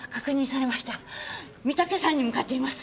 御岳山に向かっています。